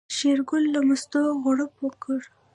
شېرګل له مستو غوړپ وکړ.